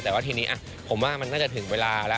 แต่ว่าทีนี้ผมว่ามันน่าจะถึงเวลาแล้ว